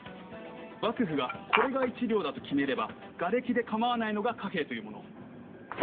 幕府がこれが「１両」だと決めれば瓦礫で構わないのが貨幣というもの。